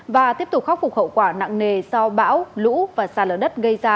và tiếp tục khắc phục hậu quả nặng nề do bão lũ và xa lở đất gây ra